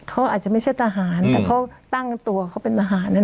เขาอาจจะไม่ใช่ทหารแต่เขาตั้งตัวเขาเป็นทหารนะ